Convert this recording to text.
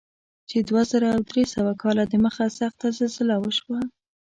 چې دوه زره درې سوه کاله دمخه سخته زلزله وشوه.